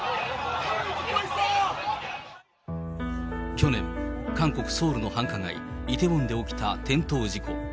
去年、韓国・ソウルの繁華街、イテウォンで起きた転倒事故。